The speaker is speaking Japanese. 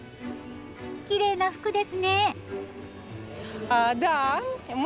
きれいな服ですね！